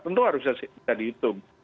tentu harus bisa dihitung